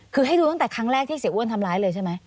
คือให้ดูตั้งแต่ครั้งแรกที่เสียอ้วนทำร้ายเลยใช่ไหม